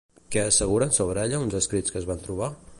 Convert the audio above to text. Què asseguren sobre ella uns escrits que es van trobar?